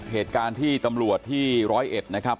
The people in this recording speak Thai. เหตุการณ์ที่ตำรวจที่ร้อยเอ็ดนะครับ